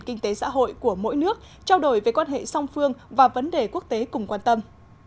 kinh tế xã hội của mỗi nước trao đổi về quan hệ song phương và vấn đề quốc tế cùng quan tâm